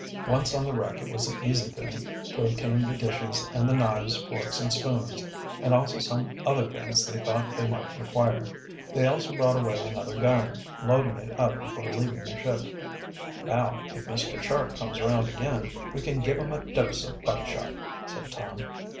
Once on the wreck it was an easy thing to obtain the dishes and the knives, forks and spoons, and also some other things they thought they might require. They also brought away another gun, loading it up before leaving the ship. "Now, if Mr. Shark comes around again, we can give him a dose of buckshot," said' Tom.